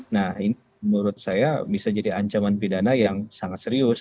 nah ini menurut saya bisa jadi ancaman pidana yang sangat serius